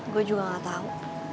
gue juga gak tahu